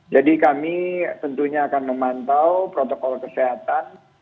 jadi kami tentunya akan memantau protokol kesehatan